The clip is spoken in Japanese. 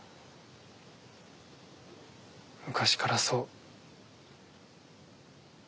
昔からそう。